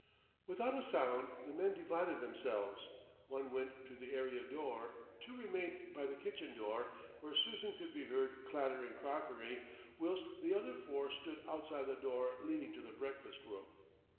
Without a sound the men divided themselves, one went to the area door, two remained by the kitchen door, where Susan could be heard clattering crockery, whilst the other four stood outside the door leading to the breakfast room.